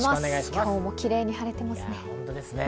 今日もキレイに晴れていますね。